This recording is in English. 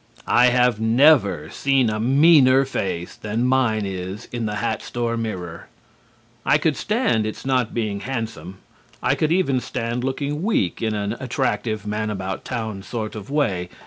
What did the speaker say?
I have never seen a meaner face than mine is in the hat store mirror. I could stand its not being handsome. I could even stand looking weak in an attractive, man about town sort of way.